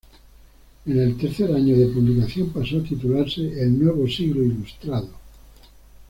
En el tercer año de publicación pasó a titularse "El Nuevo Siglo Ilustrado".